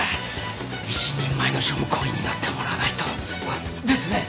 一人前の庶務行員になってもらわないと。ですね？